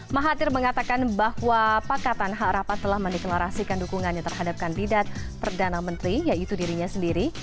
mahathir mengatakan bahwa pakatan harapan telah mendeklarasikan dukungannya terhadap kandidat perdana menteri yaitu dirinya sendiri